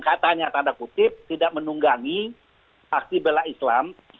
katanya tanda kutip tidak menunggangi aksi bela islam